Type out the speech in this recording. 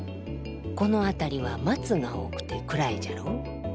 この辺りは松が多くて暗いじゃろう。